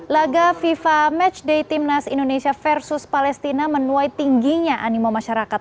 laga fifa matchday timnas indonesia versus palestina menuai tingginya animo masyarakat